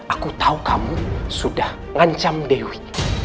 aku tahu kamu sudah ngancam dewi